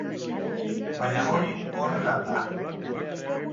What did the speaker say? Baina, hori, horrela al da?